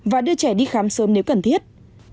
và đưa trẻ đi khám sớm nếu cần thiết